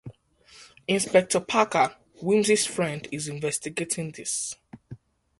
Inspector Parker, Wimsey's friend, is investigating this.